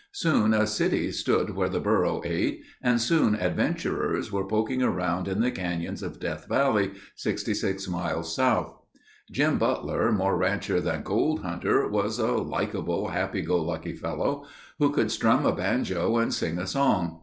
Soon a city stood where the burro ate and soon adventurers were poking around in the canyons of Death Valley, 66 miles south. Jim Butler, more rancher than gold hunter was a likable happy go lucky fellow, who could strum a banjo and sing a song.